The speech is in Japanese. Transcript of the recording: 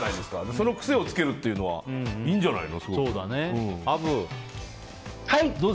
その癖をつけるというのはいいんじゃないの？